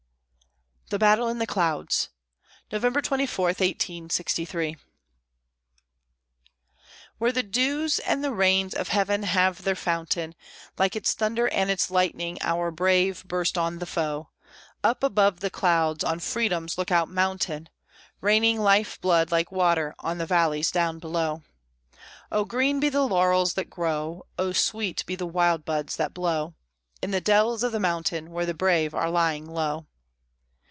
THE BATTLE IN THE CLOUDS [November 24, 1863] Where the dews and the rains of heaven have their fountain, Like its thunder and its lightning our brave burst on the foe, Up above the clouds on Freedom's Lookout Mountain Raining life blood like water on the valleys down below. Oh, green be the laurels that grow, Oh, sweet be the wild buds that blow, In the dells of the mountain where the brave are lying low.